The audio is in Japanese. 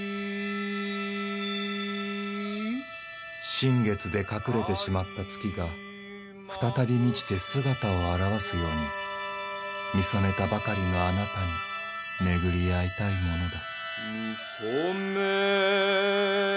新月で隠れてしまった月が再び満ちて姿を現すように見初めたばかりのあなたに巡り逢いたいものだ。